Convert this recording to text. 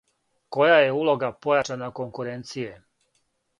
Која је улога појачане конкуренције?